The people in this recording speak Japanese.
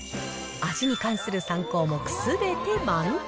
味に関する３項目すべて満点。